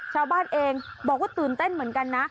ชาวบ้านเองบอกว่าตื่นเต้นเหมือนกันนะ